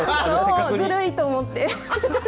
そう、ずるいと思って。